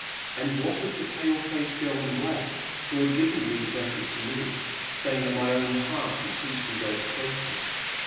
And what of the pale faced girl in black who had given these letters to me, saying that my own heart would teach me where to place them?